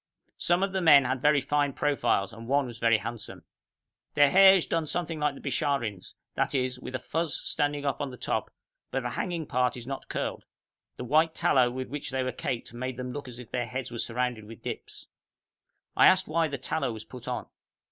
Some of the men had very fine profiles, and one was very handsome. Their hair is done something like the Bisharin's that is, with a fuz standing up on the top, but the hanging part is not curled; the white tallow with which they were caked, made them look as if their heads were surrounded with dips. I asked why the tallow was put on.